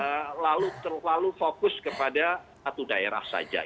tidak terlalu fokus kepada satu daerah saja